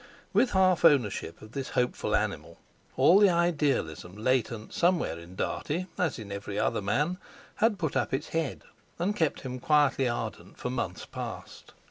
With half ownership of this hopeful animal, all the idealism latent somewhere in Dartie, as in every other man, had put up its head, and kept him quietly ardent for months past.